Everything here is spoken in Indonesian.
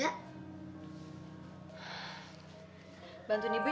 ya ya kamu beli gini kak